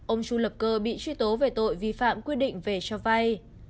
ông chu lập cơ bị truy tố về tội vi phạm quy định về cho vay